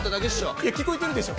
いや聞こえてるでしょ。